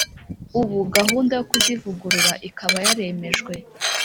ubu gahunda yo kuzivugurura ikaba yaremejwe.